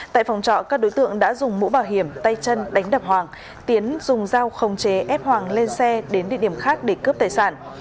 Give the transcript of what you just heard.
tại phòng trọ các đối tượng đã dùng mũ bảo hiểm tay chân đánh đập hoàng tiến dùng dao khống chế ép hoàng lên xe đến địa điểm khác để cướp tài sản